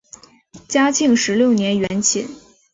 嘉庆十六年园寝。